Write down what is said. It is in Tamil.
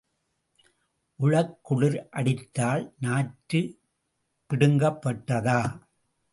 உழக் குளிர் அடித்தால் நாற்றுப் பிடுங்கப்படாதா?